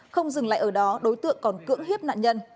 không dừng lại ở đó đối tượng còn cưỡng hiếp nạn nhân